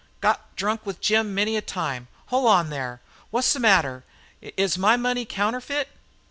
"Got drunk with Jim many a time hol' on there. Wha's the matter? Is my money counterfeit?"